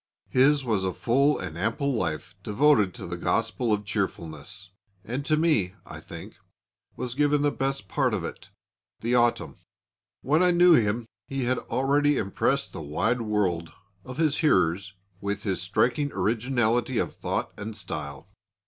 His was a full and ample life devoted to the gospel of cheerfulness; and to me, I think, was given the best part of it the autumn. When I knew him he had already impressed the wide world of his hearers with his striking originality of thought and style.